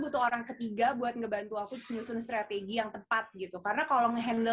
butuh orang ketiga buat ngebantu aku menyusun strategi yang tepat gitu karena kalau ngehandle